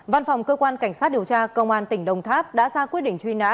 văn phòng cơ quan cảnh sát điều tra công an tỉnh đồng tháp đã ra quyết định truy nã